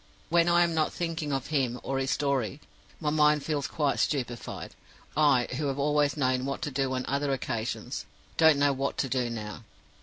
When I am not thinking of him or of his story, my mind feels quite stupefied. I, who have always known what to do on other occasions, don't know what to do now.